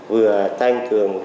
vừa tăng cường